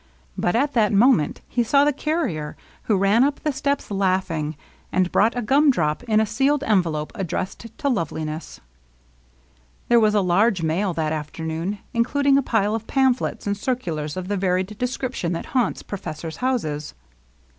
But at that moment he saw the carrier, who ran up the steps laughing, and brought a gumdrop in a sealed envelope addressed to Love liness. There was a large mail that afternoon, including a pile of pamphlets and circulars of the varied description that haunts professors' houses.